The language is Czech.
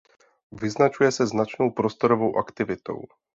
Vyznačuje se značnou prostorovou aktivitou.